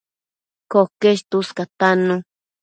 Coquesh tuscatannu